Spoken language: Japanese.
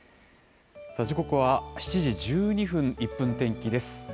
時刻は７時１２分、１分天気です。